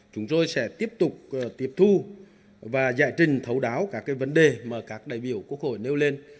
chúng tôi sẽ tiếp tục tiếp thu và giải trình thấu đáo các vấn đề mà các đại biểu quốc hội nêu lên